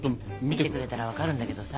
見てくれたら分かるんだけどさ。